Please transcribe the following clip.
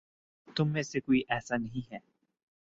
تم میں سے کوئی ایسا نہیں ہے